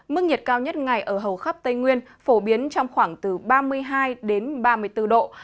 mức nhiệt cao nhất ngày ở hầu khắp tây nguyên phổ biến trong khoảng từ ba mươi hai ba mươi bốn độ